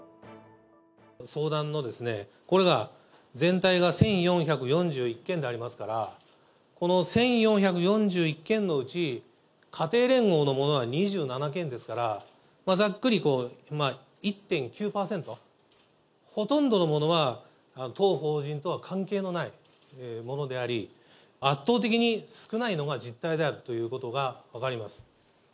相談の、これが全体が１４４１件でありますから、この１４４１件のうち、家庭連合のものは２７件ですから、ざっくり１．９％、ほとんどのものは当法人とは関係のないものであり、圧倒的に少ないのが実態であるということが分かります。